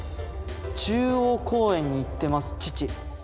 「中央公園に行ってます父」。